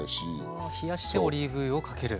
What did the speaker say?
は冷やしてオリーブ油をかける。